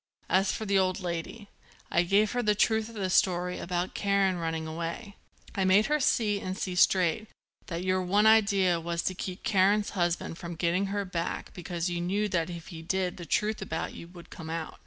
As for the old lady, I gave her the truth of the story about Karen running away. I made her see, and see straight, that your one idea was to keep Karen's husband from getting her back because you knew that if he did the truth about you would come out.